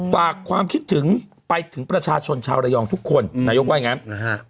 ฝากความคิดถึงไปถึงประชาชนชาวระยองทุกคนนายกว่าอย่างนั้นนะฮะ